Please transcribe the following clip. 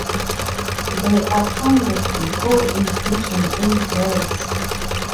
They are pounded before inclusion in breads.